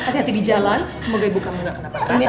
hati hati di jalan semoga ibu kamu nggak kena apa apa